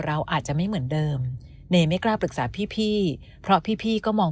เราอาจจะไม่เหมือนเดิมเนยไม่กล้าปรึกษาพี่เพราะพี่ก็มอง